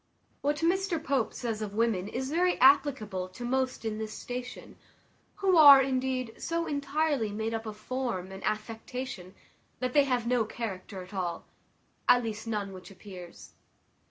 What Mr Pope says of women is very applicable to most in this station, who are, indeed, so entirely made up of form and affectation, that they have no character at all, at least none which appears.